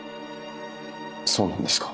そうなんですか。